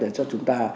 để cho chúng ta